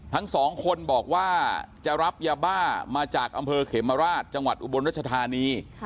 ทั้งสองคนบอกว่าจะรับยาบ้ามาจากอำเภอเขมราชจังหวัดอุบลรัชธานี